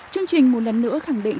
chương trình một lần nữa khẳng định